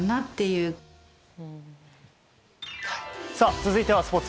続いてはスポーツ。